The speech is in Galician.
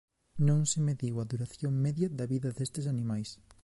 Non se mediu a duración media da vida destes animais.